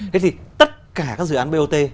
thế thì tất cả các dự án bot